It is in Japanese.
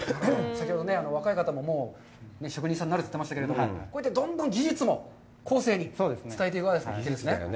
先ほど、若い方も職人さんになるって言ってましたけど、どんどん技術も後世に伝えていくわけですね。